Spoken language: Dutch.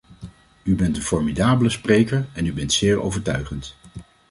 U bent een formidabele spreker, en u bent zeer overtuigend.